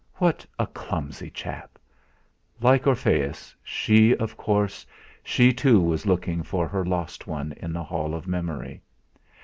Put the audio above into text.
What a clumsy chap! Like Orpheus, she of course she too was looking for her lost one in the hall of memory!